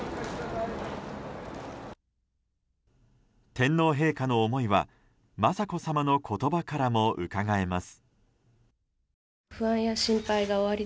天皇陛下の思いは雅子さまの言葉からもうかがえます。